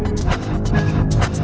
tidak ada apa apa